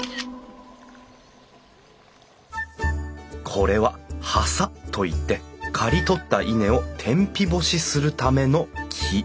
これは「はさ」といって刈り取った稲を天日干しするための木。